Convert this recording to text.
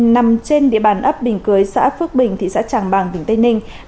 nằm trên địa bàn ấp bình cưới xã phước bình thị xã tràng bàng tỉnh tây ninh